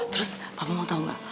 terus papa mau tau gak